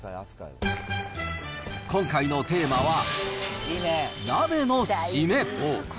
今回のテーマは、鍋の締め。